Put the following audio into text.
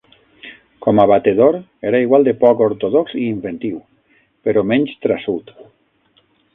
Com a batedor, era igual de poc ortodox i inventiu, però menys traçut.